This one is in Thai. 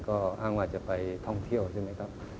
ก็อ้างว่าจะไปท่องเที่ยวใช่ไหมครับ